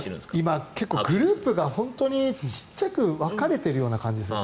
今、結構グループが本当に小さく分かれている感じです。